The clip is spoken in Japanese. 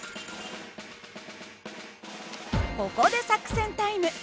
ここで作戦タイム。